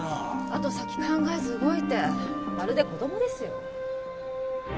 後先考えず動いてまるで子供ですよ。